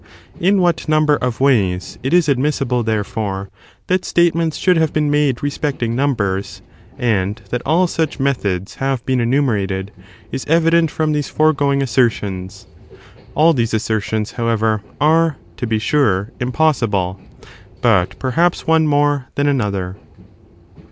In what number of ways it is admissible, therefore, that statements should have been made respecting nimibers, and that all such me thods have been enumerated, is evident from these foregoing assertions : all these assertions, however, are, to be sm^e, impossible, but perhaps one more than another.